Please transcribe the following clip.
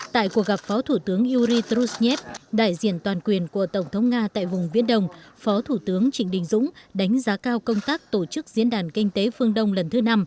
tại cuộc gặp phó thủ tướng yuritushnev đại diện toàn quyền của tổng thống nga tại vùng viễn đông phó thủ tướng trịnh đình dũng đánh giá cao công tác tổ chức diễn đàn kinh tế phương đông lần thứ năm